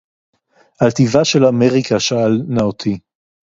על טיבה של אמריקה שאל נא אותי!